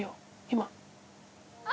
今。